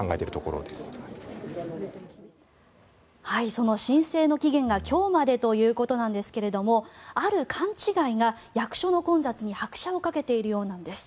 その申請の期限が今日までということなんですがある勘違いが役所の混雑に拍車をかけているようなんです。